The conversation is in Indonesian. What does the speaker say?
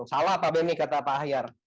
salah pak benny kata pak aker